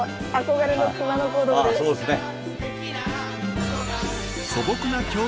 ああそうですね。